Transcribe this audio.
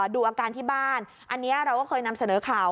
ดูอาการที่บ้านอันนี้เราก็เคยนำเสนอข่าว